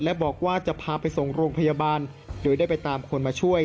และบอกว่าจะพาไปส่งโรงพยาบาลโดยได้ไปตามคนมาช่วย